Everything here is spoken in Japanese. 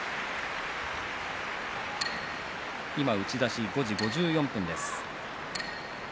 今、打ち出し５時５４分です。